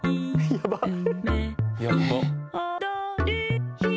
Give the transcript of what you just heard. やばっ。